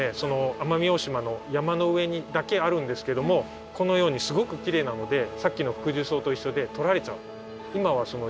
奄美大島の山の上にだけあるんですけどこのようにすごくきれいなのでさっきのフクジュソウと一緒でとられちゃう。